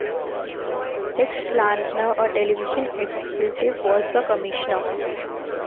Rex Lardner, a television executive, was the commissioner.